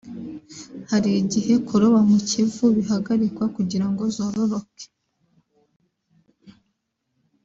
hari igihe kuroba mu Kivu bihagarikwa kugira ngo zororoke